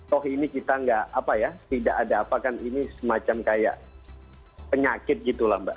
toh ini kita nggak apa ya tidak ada apa kan ini semacam kayak penyakit gitu lah mbak